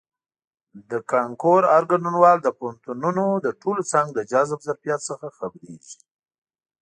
د کانکور هر ګډونوال د پوهنتونونو د ټولو څانګو د جذب ظرفیت څخه خبریږي.